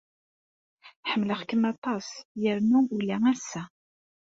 Ḥemmleɣ-kem aṭas yernu ula ass-a.